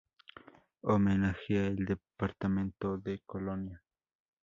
Homenajea al Departamento de Colonia.